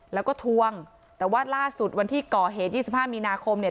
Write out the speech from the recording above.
แล้วก็ทวงแต่ว่าล่าสุดวันที่ก่อเหตุ๒๕มีนาคมเนี่ย